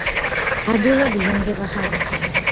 ადვილად იჟანგება ჰაერზე.